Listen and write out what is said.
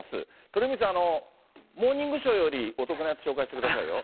鳥海さん、モーニングショーよりお得なやつ、紹介してくださいよ。